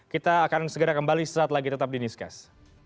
kita akan segera kembali setelah lagi tetap di nisqas